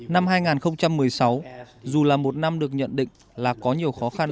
năm hai nghìn một mươi sáu dù là một năm được nhận định là có nhiều khó khăn